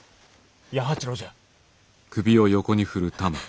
弥八郎じゃ。